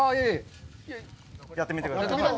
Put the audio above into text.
やってみてください。